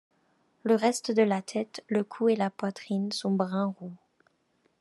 Le reste de la tête, le cou et la poitrine sont brun roux.